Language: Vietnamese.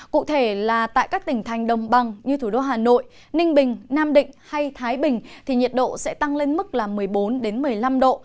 cụ thể là tại các tỉnh thành đồng bằng như thủ đô hà nội ninh bình nam định hay thái bình thì nhiệt độ sẽ tăng lên mức một mươi bốn một mươi năm độ